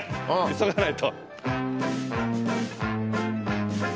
急がないと。